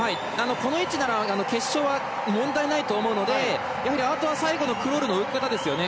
この位置なら、決勝は問題ないと思うのであとは最後のクロールの泳ぎ方ですね。